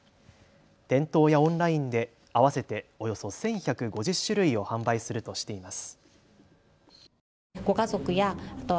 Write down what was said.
店頭やオンラインで合わせておよそ１１５０種類を販売するとしています。